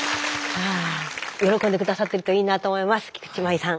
はぁ喜んで下さってるといいなと思います菊池真衣さん。